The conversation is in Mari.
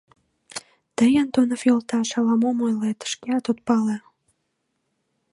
— Тый, Антонов йолташ, ала-мом ойлет, шкеат от пале.